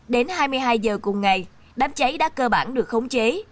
đến hai mươi hai giờ cùng ngày đám cháy đã cơ bản được khống chế